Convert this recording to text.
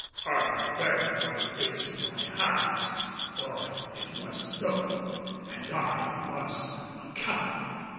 I buried my face in my hands, for it was so and I was a coward.